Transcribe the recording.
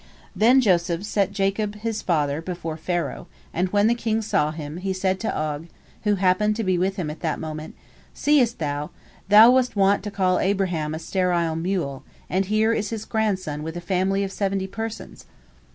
Then Joseph set Jacob his father before Pharaoh, and when the king saw him, he said to Og, who happened to be with him at that moment, "Seest thou! Thou wast wont to call Abraham a sterile mule, and here is his grandson with a family of seventy persons!"